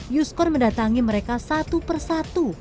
yuskon mendatangi mereka satu per satu